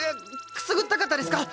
くすぐったかったですか？